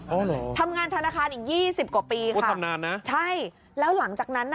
อ๋อเหรอทำงานธนาคารอีก๒๐กว่าปีค่ะใช่แล้วหลังจากนั้น